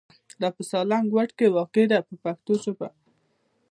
دا په سالنګ واټ کې واقع ده په پښتو ژبه.